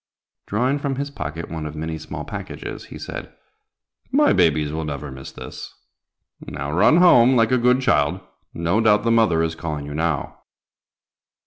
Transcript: Drawing from his pocket one of many small packages, he said, "My babies will never miss this. Now run home, like a good child; no doubt the mother is calling you now."